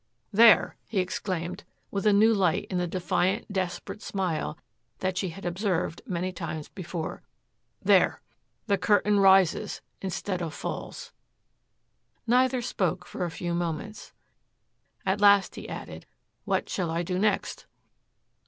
"There," he exclaimed with a new light in the defiant, desperate smile that she had observed many times before, "there. The curtain rises instead of falls." Neither spoke for a few moments. At last he added, "What shall I do next?"